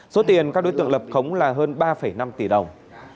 số tiền các đối tượng lập khống là hơn ba năm tỷ đồng